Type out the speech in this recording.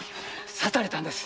刺されたんです。